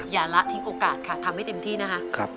ละทิ้งโอกาสค่ะทำให้เต็มที่นะคะ